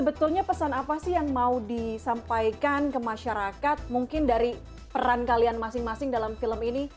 jadi pesan apa sih yang mau disampaikan ke masyarakat mungkin dari peran kalian masing masing dalam film ini